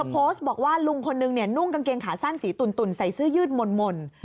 โพสต์บอกว่าลุงคนนึงนุ่งกางเกงขาสั้นสีตุ่นใส่เสื้อยืดหม่น